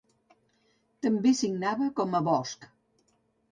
També signava com a Bosch.